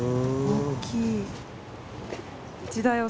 大きい。